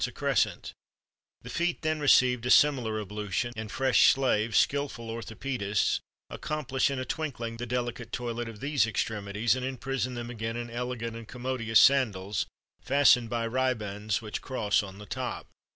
[XXXV 17] The feet then received a similar ablution, and fresh slaves, skilful orthopœdists, accomplish in a twinkling the delicate toilet of these extremities,[XXXV 18] and imprison them again in elegant and commodious sandals, fastened by ribands which cross on the top.